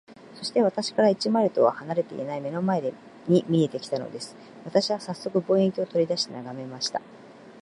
そして、私から一マイルとは離れていない眼の前に見えて来たのです。私はさっそく、望遠鏡を取り出して眺めました。